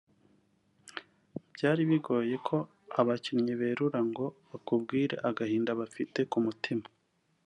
Byari bigoye ko abakinnyi berura ngo bakubwire agahinda bafite ku mutima